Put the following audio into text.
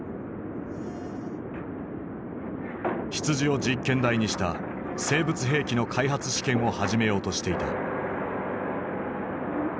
羊を実験台にした生物兵器の開発試験を始めようとしていた。